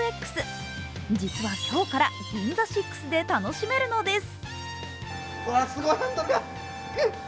実は今日からＧＩＮＺＡＳＩＸで楽しめるのです。